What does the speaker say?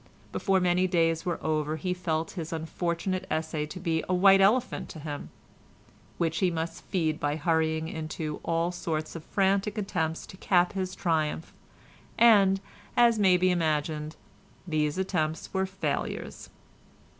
Before many days were over he felt his unfortunate essay to be a white elephant to him, which he must feed by hurrying into all sorts of frantic attempts to cap his triumph, and, as may be imagined, these attempts were failures.